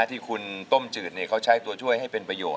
ที่คุณต้มจืดเขาใช้ตัวช่วยให้เป็นประโยชน